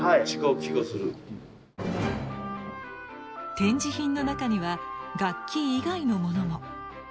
展示品の中には楽器以外のものも。